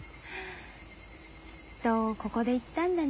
きっとここで言ったんだね。